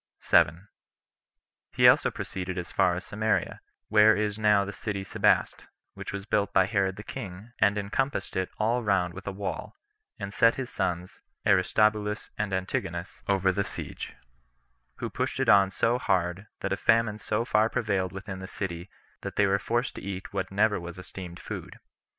7. He also proceeded as far as Samaria, where is now the city Sebaste, which was built by Herod the king, and encompassed it all round with a wall, and set his sons, Aristobulus and Antigonus, over the siege; who pushed it on so hard, that a famine so far prevailed within the city, that they were forced to eat what never was esteemed food.